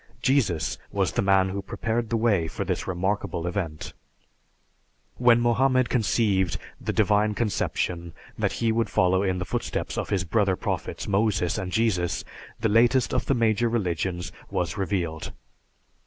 Jesus was the man who prepared the way for this remarkable event. When Mohammed conceived the divine conception that he would follow in the footsteps of his brother prophets, Moses and Jesus, the latest of the major religions was revealed.